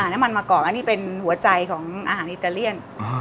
น้ำมันมะกอกอันนี้เป็นหัวใจของอาหารอิตาเลียน